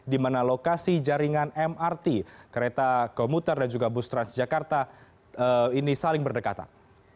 di mana lokasi jaringan mrt kereta komuter dan juga bus transjakarta ini saling berdekatan